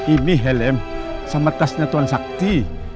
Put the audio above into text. ini helm sama tasnya tuan sakti